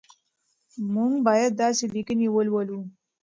موږ باید داسې لیکنې ولولو.